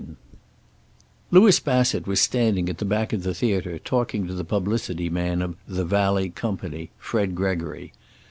VII Louis Bassett was standing at the back of the theater, talking to the publicity man of The Valley company, Fred Gregory.